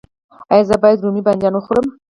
ایا زه باید رومی بانجان وخورم؟